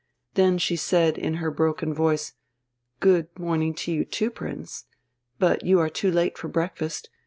Then she said in her broken voice: "Good morning to you too, Prince. But you are too late for breakfast.